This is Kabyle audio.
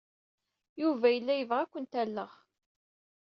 Yuba yella yebɣa ad kent-alleɣ.